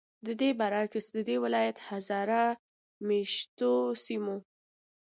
ددې برعکس، ددې ولایت هزاره میشتو سیمو